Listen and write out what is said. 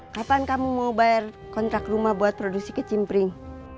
kapan kamu mau bayar kontrak rumah buat produksi kecimpring